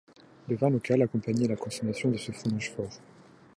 Le vin local accompagnait la consommation de ce fromage fort.